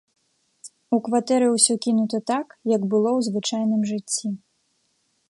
У кватэры ўсё кінута так, як было ў звычайным жыцці.